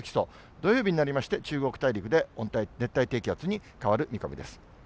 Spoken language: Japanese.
土曜日になりまして、中国大陸で温帯低気圧に変わる見込みです。